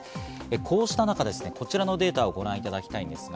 こうした中、こちらのデータをご覧いただきたいです。